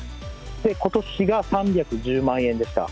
ことしが３１０万円でした。